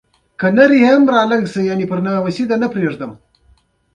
ایران د اتومي انرژۍ د سازمان